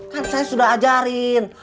kan saya sudah ajarin